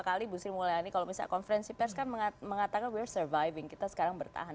kali busi mulia ini kalau bisa konferensi pers kan mengatakan we're surviving kita sekarang bertahan